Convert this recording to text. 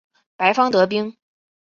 白方得兵。